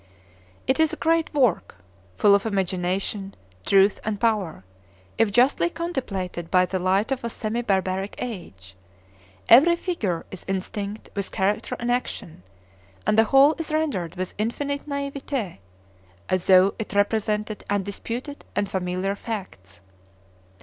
It is a great work, full of imagination, truth, and power, if justly contemplated by the light of a semi barbaric age. Every figure is instinct with character and action, and the whole is rendered with infinite naïveté, as though it represented undisputed and familiar facts.